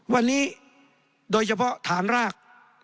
วันนี้โดยเฉพาะฐานราก